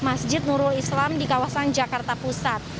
masjid nurul islam di kawasan jakarta pusat